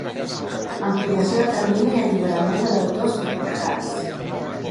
Ampliació de termini i alliberament de deutors hipotecants.